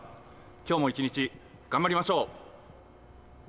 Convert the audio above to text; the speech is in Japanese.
今日も一日、頑張りましょう！